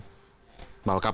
bahwa kpk malah agak agak